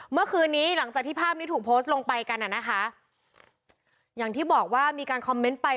เมื่อคืนนี้หลังจากที่ภาพนี้ถูกโพสต์ลงไปกันอ่ะนะคะอย่างที่บอกว่ามีการคอมเมนต์ไป